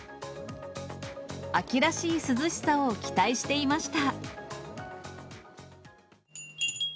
秋らしい涼しさを期待していました。